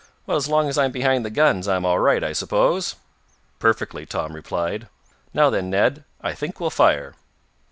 "Well, as long as I'm behind the guns I'm all right, I suppose?" "Perfectly," Tom replied. "Now then, Ned, I think we'll fire."